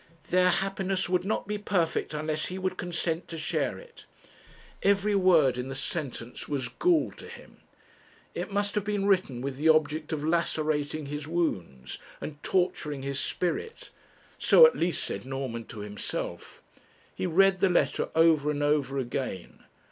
'Their happiness would not be perfect unless he would consent to share it.' Every word in the sentence was gall to him. It must have been written with the object of lacerating his wounds, and torturing his spirit; so at least said Norman to himself. He read the letter over and over again.